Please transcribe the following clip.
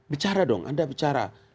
bicara dong anda bicara